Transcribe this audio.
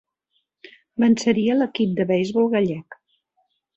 Venceria l'equip de beisbol gallec.